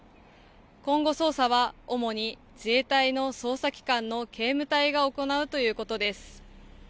今後、捜査は主に自衛隊の捜査機関の警務隊が行うということです。